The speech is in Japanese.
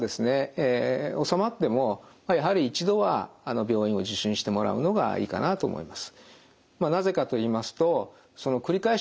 おさまってもやはり一度は病院を受診してもらうのがいいかなと思います。